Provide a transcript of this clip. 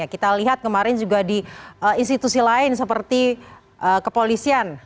kita lihat kemarin juga di institusi lain seperti kepolisian